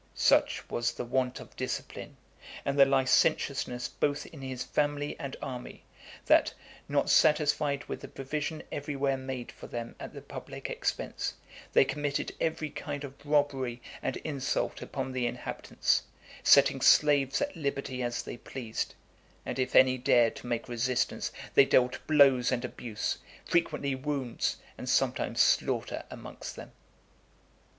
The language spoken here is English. Such was the want of discipline, and the licentiousness both in his family and army, that, not satisfied with the provision every where made for them at the public expense, they committed every kind of robbery and insult upon the inhabitants, setting slaves at liberty as they pleased; and if any dared to make resistance, they dealt blows and abuse, frequently wounds, and sometimes slaughter amongst them.